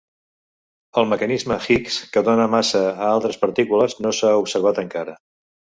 El mecanisme Higgs que dona massa a altres partícules no s'ha observat encara.